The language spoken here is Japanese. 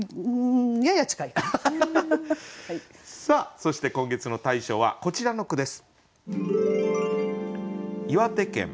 そして今月の大賞はこちらの句です。